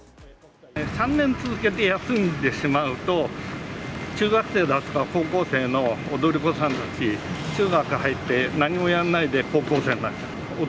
３年続けて休んでしまうと、中学生だとか高校生の踊り子さんたち、中学入ってなんにもやんないで高校生になってしまう。